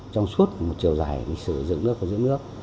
trong suốt một chiều dài lịch sử dựng nước và giữ nước